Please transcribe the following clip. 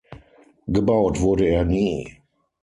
Gebaut wurde er nie.